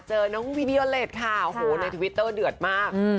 เจอพี่บิโอเลสค่ะโหในติวิเตอร์เดือดมาก